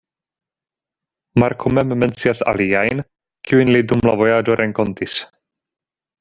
Marko mem mencias aliajn, kiujn ili dum la vojaĝo renkontis.